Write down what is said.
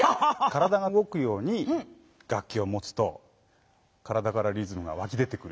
体がうごくように楽器をもつと体からリズムがわき出てくるでしょ。